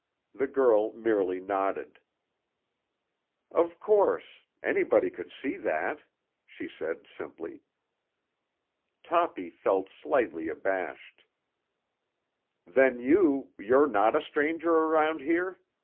The girl merely nodded. "Of course. Anybody could see that," she said simply. Toppy felt slightly abashed. "Then you—you're not a stranger around here?"